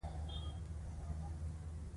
پښتونولۍ زما د رزق او روزۍ مخې ته پاټک اچولی دی.